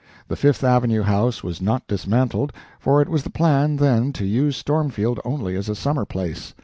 The Fifth Avenue house was not dismantled, for it was the plan then to use Stormfield only as a summer place.